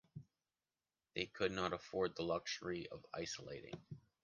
They could not afford the luxury of isolating.